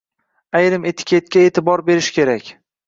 Ayrim etiketga e’tibor berish kerak.